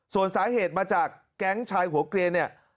ส่วนสาเหตุมาจากแก๊งชายหัวเกลียนเนี่ย